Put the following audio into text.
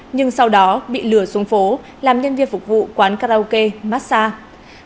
nhưng sau đó bị lửa xuống phố làm nhân viên phục vụ quán karaoke massage